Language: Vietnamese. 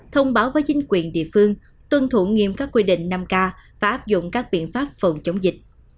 thông báo với chính quyền địa phương tuân thủ nghiêm các quy định năm k và áp dụng các biện pháp phòng chống dịch